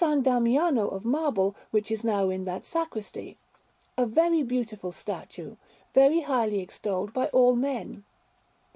Damiano of marble which is now in that sacristy a very beautiful statue, very highly extolled by all men.